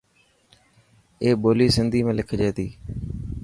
اي ٻولي سنڌي ۾ لکجي تي.